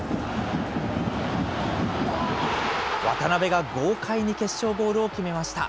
渡辺が豪快に決勝ゴールを決めました。